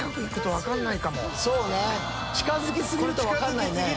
そうね近づき過ぎると分かんないね。